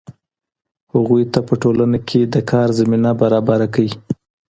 هغوی ته په ټولنه کې د کار زمینه برابره کړئ.